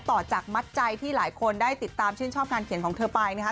ต่อจากมัดใจที่หลายคนได้ติดตามชื่นชอบการเขียนของเธอไปนะคะ